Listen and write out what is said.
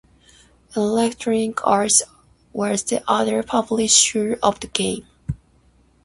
Electronic Arts was the other publisher of the game.